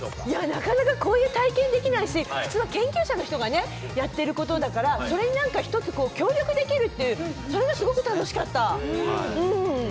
なかなかこういう体験ができないし普通は研究者の人がやっていることだからそれに何か１つ、協力できるってそれがすごく楽しかった。